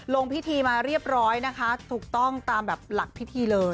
ลงพิธีมาเรียบร้อยนะคะถูกต้องตามแบบหลักพิธีเลย